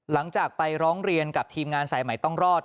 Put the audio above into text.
หลังจากไปร้องเรียนกับทีมงานสายใหม่ต้องรอด